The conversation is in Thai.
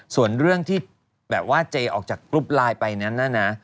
ส่วนเรื่องที่แบบว่าเจออกจากกรุ๊ปไลน์ไปนั้นนะ